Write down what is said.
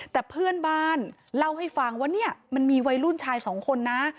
แต่เพื่อนบ้านเล่าให้ฟังว่าเนี่ยมันมีวัยรุ่นชายสองคนนะ